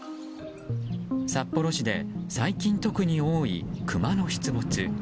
札幌市で最近特に多いクマの出没。